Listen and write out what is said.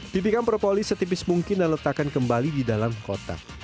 tipikan propolis setipis mungkin dan letakkan kembali di dalam kotak